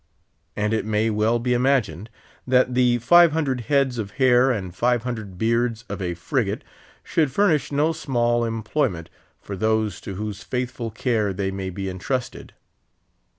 And it may well be imagined that the five hundred heads of hair and five hundred beards of a frigate should furnish no small employment for those to whose faithful care they may be intrusted.